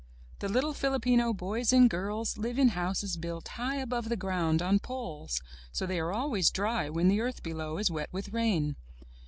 The little Filipino boys and girls live in houses built high above the ground on poles, so they are always dry when the earth below is wet with rain.